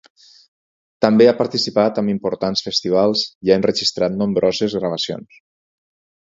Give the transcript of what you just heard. També ha participat amb importants festivals i ha enregistrat nombroses gravacions.